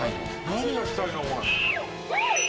何がしたいの？